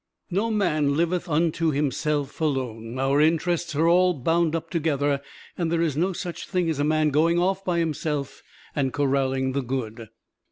No man liveth unto himself alone: our interests are all bound up together, and there is no such thing as a man going off by himself and corraling the good.